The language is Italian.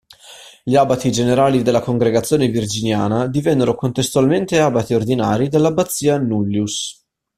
Gli abati generali della Congregazione virginiana divennero contestualmente abati ordinari dell'abbazia "nullius".